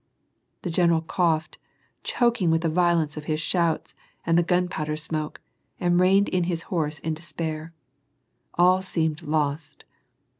The general coughed, choking with the violence of his shouts and the gunpowder smoke, and reined in his horse in despair. All seemed lost.